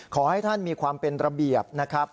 ขอให้ท่านมีความเป็นระเบียบนะครับ